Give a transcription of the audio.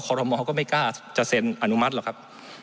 โครโลมอล์เขาก็ไม่กล้าจะเซ็นอนุมัติหรอกครับ